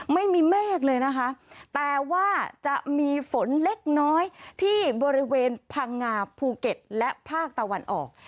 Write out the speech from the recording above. ไม่มีเมฆเลยนะคะแต่ว่าจะมีฝนเล็กน้อยที่บริเวณพังงาภูเก็ตและภาคตะวันออก